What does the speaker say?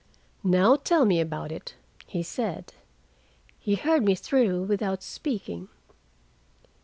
"Now tell me about it," he said. He heard me through without speaking.